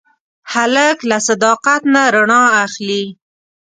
هلک له صداقت نه رڼا اخلي.